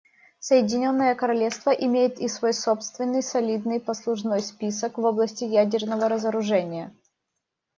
Соединенное Королевство имеет и свой собственный солидный послужной список в области ядерного разоружения.